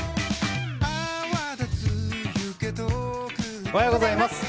おはようございます。